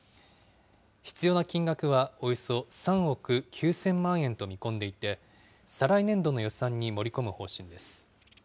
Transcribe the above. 必要な金額はおよそ３億９０００万円と見込んでいて、再来年度の予算に盛り込む方針です。